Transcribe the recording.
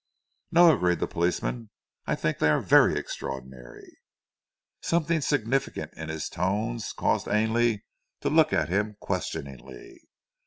"No," agreed the policeman, "I think they are very extraordinary." Something significant in his tones caused Ainley to look at him questioningly.